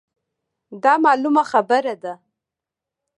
دا مـعـلومـه خـبـره ده.